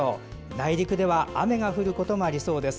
内陸では雨が降ることもありそうです。